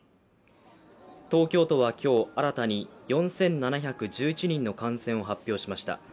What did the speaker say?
東京都は今日新たに、４７１１人の感染を発表しました。